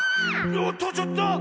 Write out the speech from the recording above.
おっとちょっと！